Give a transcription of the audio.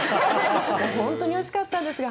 本当においしかったんですよ。